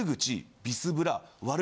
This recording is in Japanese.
ビスブラ？